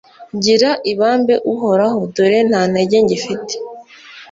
gira ibambe, uhoraho, dore nta ntege ngifite